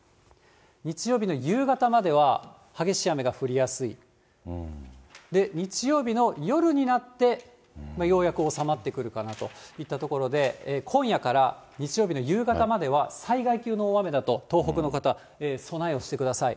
日曜日の夕方までは激しい雨が降りやすい、で、日曜日の夜になってようやく収まってくるかなといったところで、今夜から日曜日の夕方までは、災害級の大雨だと東北の方、備えをしてください。